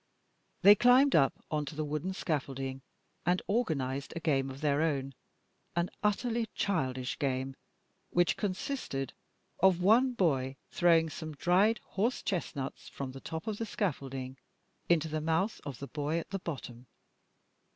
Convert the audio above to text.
They climbed up on to the wooden scaffolding and organised a game of their own, an utterly childish game, which consisted of one boy throwing some dried horse chestnuts from the top of the scaffolding into the mouth of the boy at the bottom.